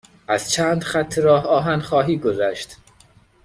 از چند خط راه آهن خواهی گذشت.